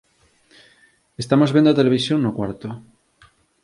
Estamos vendo a televisión no cuarto.